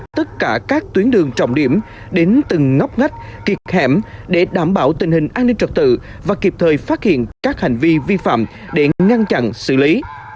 tất cả các tuyến đường trọng điểm đến từng ngóc ngách kiệt hẻm để đảm bảo tình hình an ninh trật tự và kịp thời phát hiện các hành vi vi phạm để ngăn chặn xử lý